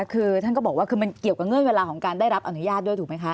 คือท่านก็บอกว่าคือมันเกี่ยวกับเงื่อนเวลาของการได้รับอนุญาตด้วยถูกไหมคะ